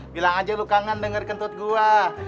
bilang aja lu kangen denger kentut gua